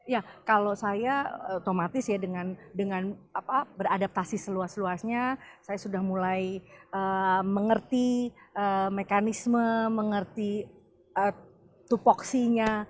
ya kalau saya otomatis ya dengan beradaptasi seluas luasnya saya sudah mulai mengerti mekanisme mengerti tupoksinya